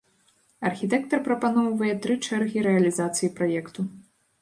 Архітэктар прапаноўвае тры чэргі рэалізацыі праекту.